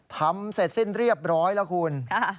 ทำเสร็จสิ้นเรียบร้อยแล้วคุณ